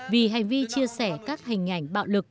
vì hành vi chia sẻ các hình ảnh bạo lực